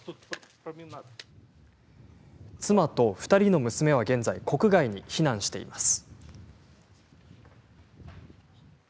妻と２人の娘は現在、国外に避難しています。